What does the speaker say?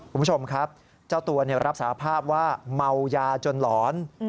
คุณผู้ชมครับเจ้าตัวรับสาภาพว่าเมายาจนหลอน